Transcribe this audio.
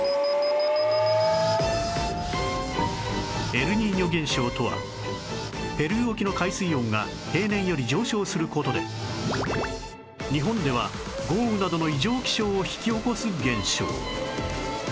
エルニーニョ現象とはペルー沖の海水温が平年より上昇する事で日本では豪雨などの異常気象を引き起こす現象